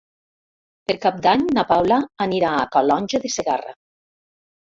Per Cap d'Any na Paula anirà a Calonge de Segarra.